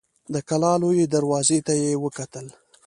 د کلا لويي دروازې ته يې وکتل.